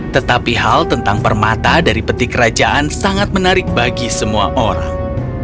tetapi hal tentang permata dari peti kerajaan sangat menarik bagi semua orang